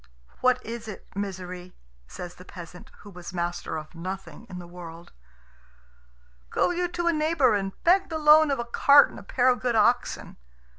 "What is it, Misery?" says the peasant, who was master of nothing in the world. "Go you to a neighbour and beg the loan of a cart and a pair of good oxen."